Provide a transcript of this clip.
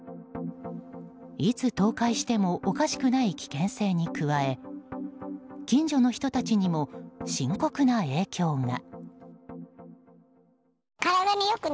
いつ倒壊してもおかしくない危険性に加え近所の人たちにも深刻な影響が。